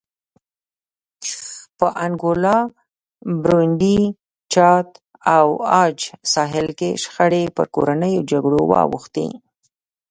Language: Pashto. په انګولا، برونډي، چاد او عاج ساحل کې شخړې پر کورنیو جګړو واوښتې.